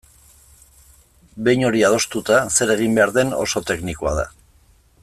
Behin hori adostuta, zer egin behar den oso teknikoa da.